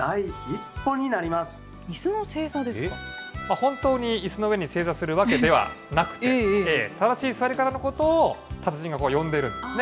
本当にいすの上に正座するわけではなくて、正しい座り方のことを達人がこう呼んでいるんですね。